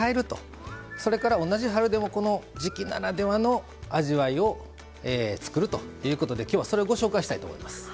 それから同じ春でもこの時季ならではの味わいを作るということできょうはそれをご紹介したいと思います。